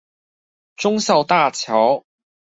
忠孝大橋